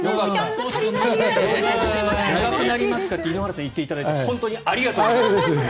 長くなりますかって井ノ原さん、言っていただいて本当にありがとうございます。